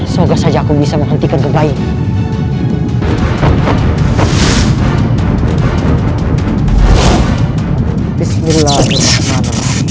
semoga saja aku bisa menghentikan kebaikan